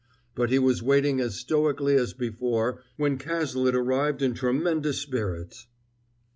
But he was waiting as stoically as before when Cazalet arrived in tremendous spirits.